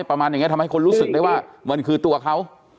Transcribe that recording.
ประมาณอย่างนี้ทำให้คนรู้สึกได้ว่ามันคือตัวเขา